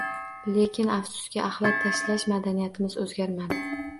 Lekin, afsuski, axlat tashlash madaniyatimiz o'zgarmadi